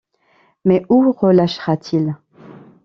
Mais où relâchera-t-il?